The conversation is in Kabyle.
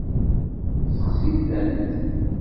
Sexsi-tent.